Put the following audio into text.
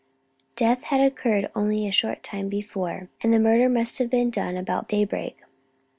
Death had occurred only a short time before, and the murder must have been done about daybreak.